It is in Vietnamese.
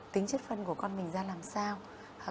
tính chất phân của con mình ra làm sao